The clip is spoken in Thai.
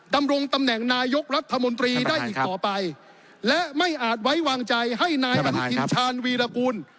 ดำรงตำแหน่งนายกรัฐมนตรีได้อีกต่อไปและไม่อาจไว้วางใจให้นายอนุทินชาญวีรกูล